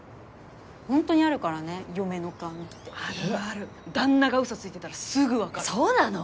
ほんとにあるからね嫁の勘ってあるある旦那がウソついてたらすぐ分かるそうなの？